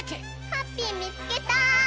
ハッピーみつけた！